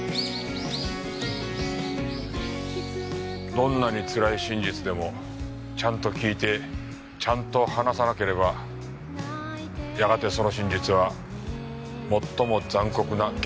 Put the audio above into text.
どんなにつらい真実でもちゃんと聞いてちゃんと話さなければやがてその真実は最も残酷な現実になる。